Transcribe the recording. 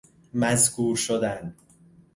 مذکور شدن